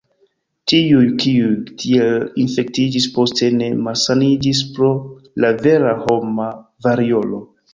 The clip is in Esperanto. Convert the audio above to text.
Tiuj, kiuj tiel infektiĝis, poste ne malsaniĝis pro la vera homa variolo.